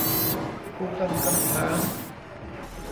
ผู้ตั้งคำถาม